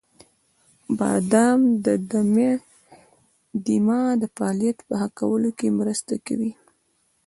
• بادام د دمه د فعالیت په ښه کولو کې مرسته کوي.